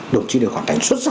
đồng chí đều hoàn thành xuất sắc